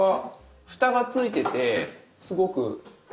蓋が付いててすごくいい。